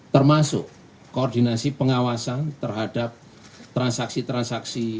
termasuk koordinasi pengawasan terhadap transaksi transaksi